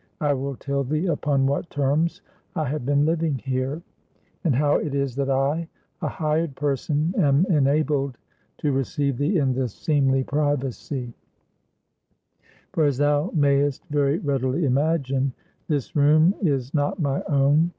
I will tell thee upon what terms I have been living here; and how it is that I, a hired person, am enabled to receive thee in this seemly privacy; for as thou mayest very readily imagine, this room is not my own.